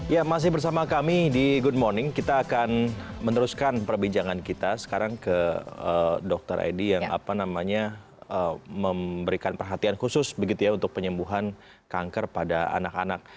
ya masih bersama kami di good morning kita akan meneruskan perbincangan kita sekarang ke dokter edi yang apa namanya memberikan perhatian khusus begitu ya untuk penyembuhan kanker pada anak anak